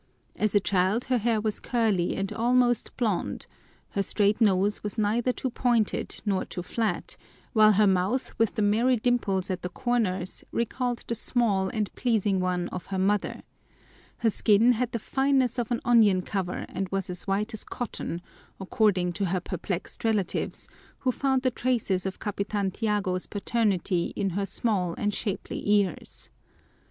As a child her hair was curly and almost blond, her straight nose was neither too pointed nor too flat, while her mouth with the merry dimples at the corners recalled the small and pleasing one of her mother, her skin had the fineness of an onion cover and was white as cotton, according to her perplexed relatives, who found the traces of Capitan Tiago's paternity in her small and shapely ears.